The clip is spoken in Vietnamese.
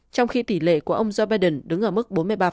trong khi tỷ lệ của ông joe biden đứng ở mức bốn mươi ba